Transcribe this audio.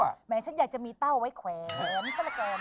หมายคิดอยากจะมีเต้าไว้แขวน